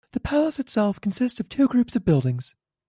The palace itself consists of two groups of buildings.